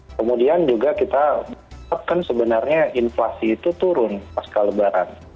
kemudian juga kita kan sebenarnya inflasi itu turun pasca lebaran